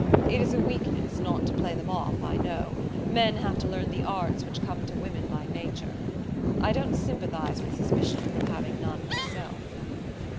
It is a weakness, not to play them off, I know. Men have to learn the arts which come to women by nature. I don't sympathize with suspicion, from having none myself."